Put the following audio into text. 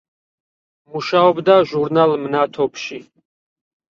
მუშაობდა ჟურნალ „მნათობში“.